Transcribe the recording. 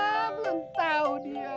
ah belum tau dia